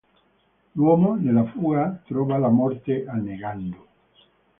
L'uomo, nella fuga, trova la morte annegando.